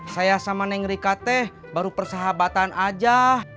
saya sama neng rika teh baru persahabatan aja